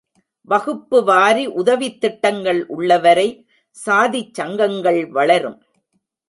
வகுப்பு வாரி உதவித் திட்டங்கள் உள்ள வரை சாதிச் சங்கங்கள் வளரும்.